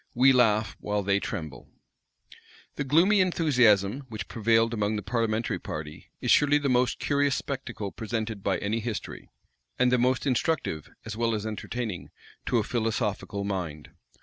We laugh while they tremble." * Sir Philip Warwick. The gloomy enthusiasm which prevailed among the parliamentary party, is surely the most curious spectacle presented by any history; and the most instructive, as well as entertaining, to a philosophical mind.